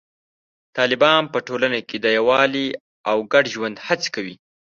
طالبان په ټولنه کې د یووالي او ګډ ژوند هڅې کوي.